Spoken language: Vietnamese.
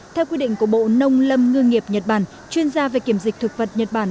theo quy định của bộ nông lâm ngư nghiệp nhật bản chuyên gia về kiểm dịch thực vật nhật bản